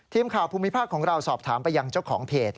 ทีมข่าวภูมิภาคของเราสอบถามไปอย่างเจ้าของเพจ